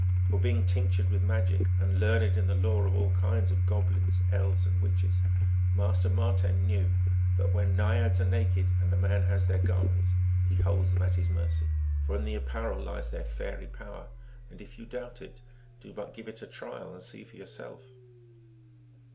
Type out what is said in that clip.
For being tinctured with magic and learned in the lore of all kind of goblins, elves, and witches, Master Marten knew that when Naiads are naked and a man has their garments he holds them at his mercy. For in the apparel lies their fairy power; and if you doubt it, do but give it a trial and see for yourself